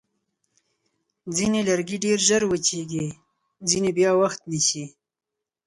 ځینې لرګي ډېر ژر وچېږي، ځینې بیا وخت نیسي.